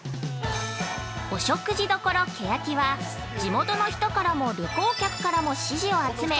◆お食事処欅は地元の人からも旅行客からも支持を集め